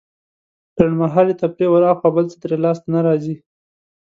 لنډمهالې تفريح وراخوا بل څه ترې لاسته نه راځي.